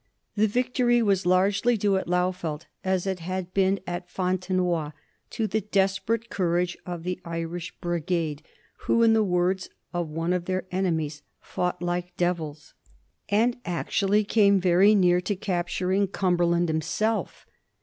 The victory was largely due at Lauffeld, as it had been at Fontenoy, to the des perate courage of the Irish Brigade, who, in the words of one of their enemies, " fought like devils," and actually came very near to capturing Cumberland himself.